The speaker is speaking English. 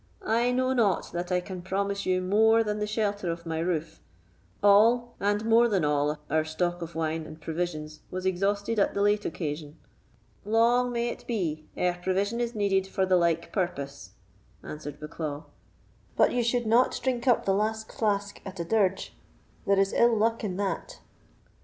"I know not that I can promise you more than the shelter of my roof; all, and more than all, our stock of wine and provisions was exhausted at the late occasion." "Long may it be ere provision is needed for the like purpose," answered Bucklaw; "but you should not drink up the last flask at a dirge; there is ill luck in that."